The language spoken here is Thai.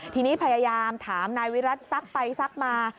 ทีนี้พยายามถามนายวิรัติซักไปซักมา